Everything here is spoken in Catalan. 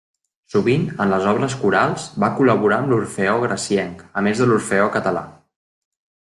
Sovint, en les obres corals, va col·laborar amb l'Orfeó Gracienc, a més de l'Orfeó Català.